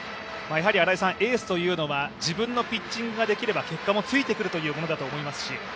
エースというのは自分のピッチングができれば結果もついてくるというものだと思いますし。